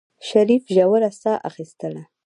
شريف ژوره سا اخېستله.